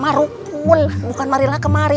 marukul bukan marilah kemari